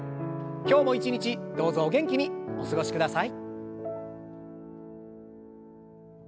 今日も一日どうぞお元気にお過ごしください。